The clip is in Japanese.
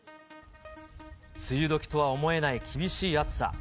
梅雨どきとは思えない厳しい暑さ。